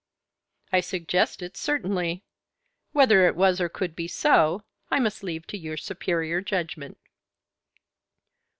"I suggest it, certainly. Whether it was or could be so, I must leave to your superior judgment."